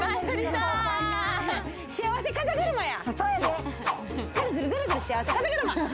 幸せ風車や。